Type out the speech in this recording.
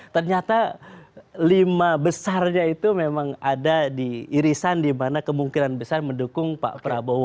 ternyata lima besarnya itu memang ada di irisan di mana kemungkinan besar mendukung pak prabowo